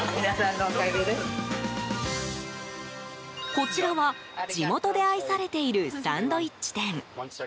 こちらは、地元で愛されているサンドイッチ店。